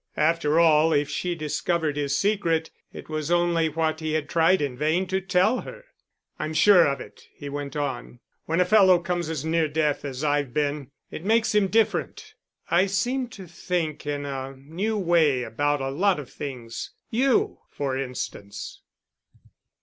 After all, if she discovered his secret, it was only what he had tried in vain to tell her. "I'm sure of it," he went on. "When a fellow comes as near death as I've been, it makes him different. I seem to think in a new way about a lot of things—you, for instance."